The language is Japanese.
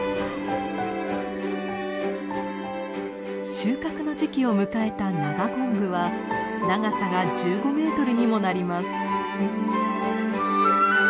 収穫の時期を迎えたナガコンブは長さが１５メートルにもなります。